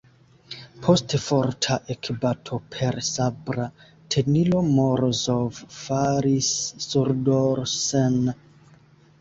Post forta ekbato per sabra tenilo Morozov falis surdorsen.